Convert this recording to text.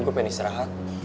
gue pengen istirahat